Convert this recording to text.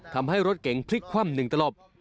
ทำให้รถเก่งพลิกคว่ำหนึ่งตลอด